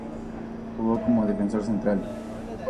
Jugó como defensor central.